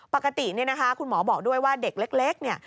ปกติเนี่ยนะคะคุณหมอบอกด้วยว่าเด็กเล็กเนี่ย